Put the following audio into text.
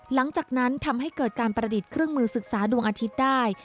หลังจากนั้นทำให้เกิดการประดิษฐ์เครื่องมือศึกษาดวงอาทิตย์ได้